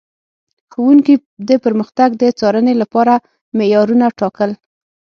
ښوونکي د پرمختګ د څارنې لپاره معیارونه ټاکل.